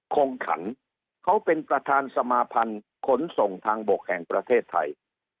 คงขันเขาเป็นประธานสมาพันธ์ขนส่งทางบกแห่งประเทศไทย